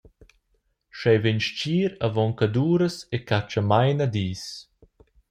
Sche ei vegn stgir avoncaduras e catscha maina dis.